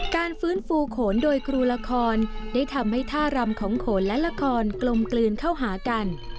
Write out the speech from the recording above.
การฟื้นฟูโขนโดยครูละครได้ทำให้ท่ารำของโขนและละครกลมกลืนเข้าหากัน